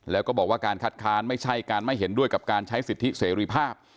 แล้วก็บอกว่าการคัดค้านไม่ใช่การไม่เห็นด้วยกับการใช้สิทธิเสรีภาพ